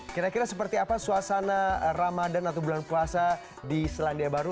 kira kira seperti apa suasana ramadan atau bulan puasa di selandia baru